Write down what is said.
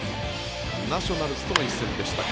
ナショナルズとの一戦でした。